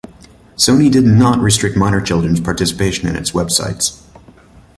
Sony did not restrict minor children's participation in its websites.